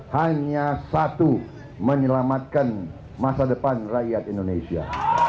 hanya satu menyelamatkan masa depan rakyat indonesia